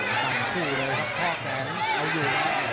ตั้งสู้เลยครับข้อแขนเอาอยู่